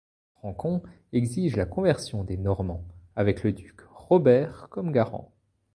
Francon exige la conversions des Normands, avec le duc Robert comme garant.